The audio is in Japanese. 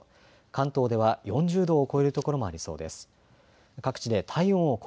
関東では４０度を超える所もありそうです。